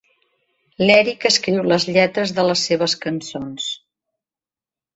L'Eric escriu les lletres de les seves cançons.